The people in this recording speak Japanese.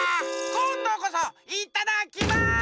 こんどこそいただきま。